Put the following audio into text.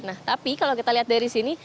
nah tapi kalau kita lihat dari sini